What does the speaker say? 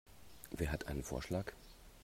Wer hat einen Vorschlag?